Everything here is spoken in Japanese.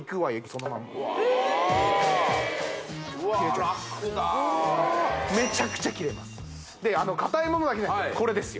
そのままうわうわ楽だ切れちゃいますでかたいものだけじゃなくてこれですよ